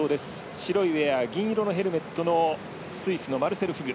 白いウエア銀色のヘルメットのスイスのマルセル・フグ。